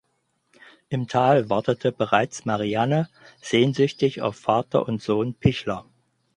Im Tal wartet bereits Marianne sehnsüchtig auf Vater und Sohn Pichler.